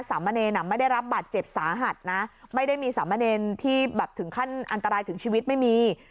สามเณรไม่ได้รับบาดเจ็บสาหัสนะไม่ได้มีสามเณรที่แบบถึงขั้นอันตรายถึงชีวิตไม่มี